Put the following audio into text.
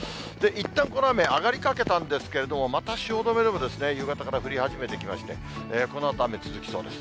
いったん、この雨上がりかけたんですけれども、また汐留でも夕方から降り始めてきまして、このあと雨、続きそうです。